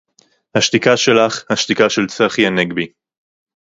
השתיקה שלך, השתיקה של צחי הנגבי